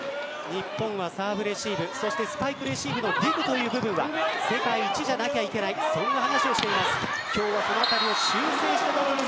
日本はサーブレシーブスパイク、レシーブのディグという部分は世界一じゃないといけないという話をしています。